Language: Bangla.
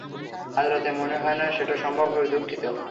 আজ রাতে মনে হয় না সেটা সম্ভব হবে, দুঃখিত!